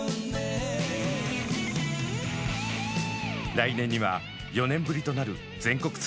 来年には４年ぶりとなる全国ツアーも決定。